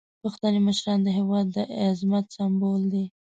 پښتني مشران د هیواد د عظمت سمبول دي.